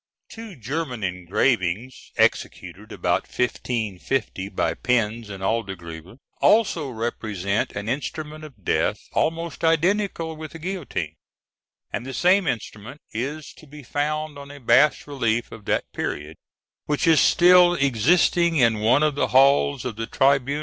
Two German engravings, executed about 1550 by Pencz and Aldegrever, also represent an instrument of death almost identical with the guillotine; and the same instrument is to be found on a bas relief of that period, which is still existing in one of the halls of the Tribunal of Luneburg, in Hanover.